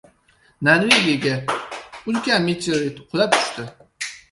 Norvegiyaga ulkan meteorit qulab tushdi